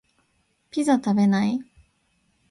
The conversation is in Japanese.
ピザ食べない？